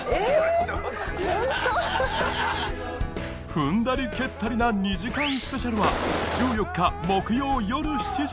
踏んだり蹴ったりな２時間スペシャルは１４日木曜よる７時